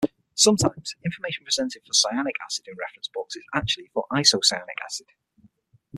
Sometimes information presented for cyanic acid in reference books is actually for isocyanic acid.